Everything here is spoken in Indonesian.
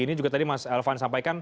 ini juga tadi mas elvan sampaikan